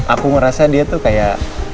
aku ngerasa dia tuh kayak